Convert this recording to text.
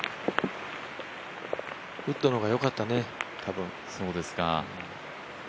ウッドの方が良かったね、多分。